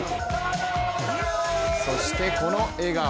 そしてこの笑顔。